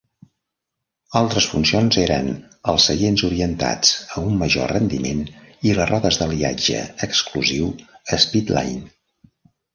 Altres funcions eren els seients orientats a un major rendiment i les rodes d'aliatge exclusiu Speedline.